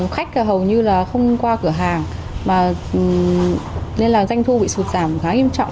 khách hầu như không qua cửa hàng nên là danh thu bị sụt giảm khá nghiêm trọng